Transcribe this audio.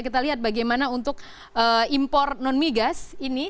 kita lihat bagaimana untuk impor non migas ini